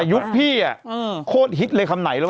แต่ยุคพี่อะโคตรฮิตเลยขำไหนแล้วอ่ะ